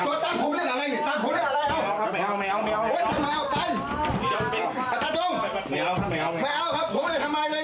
ไม่เอาครับผมไม่ได้ทำอะไรเลย